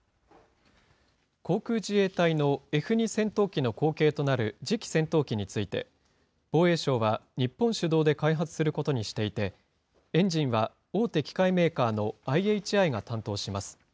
航空自衛隊のＦ２戦闘機の後継となる次期戦闘機について、防衛省は日本主導で開発することにしていて、エンジンは大手機械メーカーのＩＨＩが担当します。